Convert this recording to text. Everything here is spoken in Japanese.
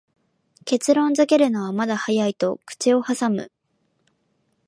結論づけるのはまだ早いと口をはさむ